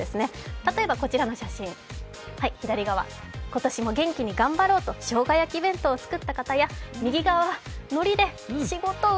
例えばこちらの写真、左側、今年も元気に頑張ろうとしょうが焼き弁当を作った方や右側は、のりで仕事運